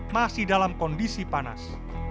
masih dalam kondisi panas